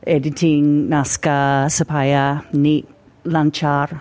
editing naskah supaya ini lancar